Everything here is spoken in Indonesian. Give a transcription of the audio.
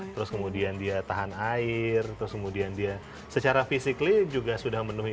terus kemudian dia tahan air terus kemudian dia secara fisik juga sudah memenuhi